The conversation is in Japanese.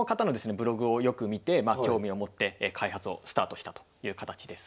ブログをよく見て興味を持って開発をスタートしたという形です。